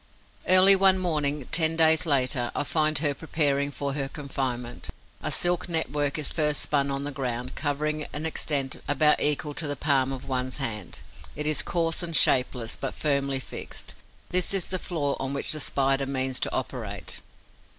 Early one morning, ten days later, I find her preparing for her confinement. A silk network is first spun on the ground, covering an extent about equal to the palm of one's hand. It is coarse and shapeless, but firmly fixed. This is the floor on which the Spider means to operate.